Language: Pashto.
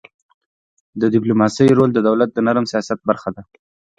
د ډيپلوماسی رول د دولت د نرم سیاست برخه ده.